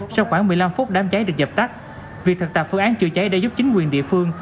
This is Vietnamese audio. sau khoảng một mươi năm phút đám cháy được dập tắt việc thực tập phương án chữa cháy đã giúp chính quyền địa phương